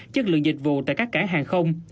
chất lượng dịch vụ tại các cảng hàng không